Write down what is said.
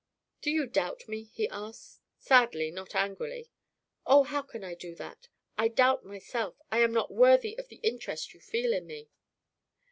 "Do you doubt me?" he asked sadly, not angrily. "Oh, how can I do that! I doubt myself; I am not worthy of the interest you feel in me."